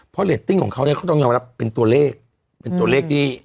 เพราะเรตติ้งของเขาเนี่ยเขาต้องยอมรับเป็นตัวเลขเป็นตัวเลขที่